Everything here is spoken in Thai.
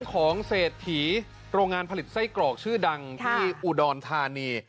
ของเศรษฐีโรงงานผลิตไส้กรอกชื่อดังที่อุดรธานี